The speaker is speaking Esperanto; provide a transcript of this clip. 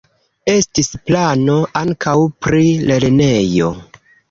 Estis plano ankaŭ pri lernejo.